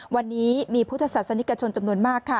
วันนี้มีพุทธศาสนิกชนจำนวนมากค่ะ